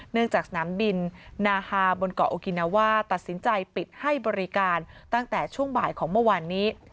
จากสนามบินนาฮาบนเกาะโอกินาว่าตัดสินใจปิดให้บริการตั้งแต่ช่วงบ่ายของเมื่อวานนี้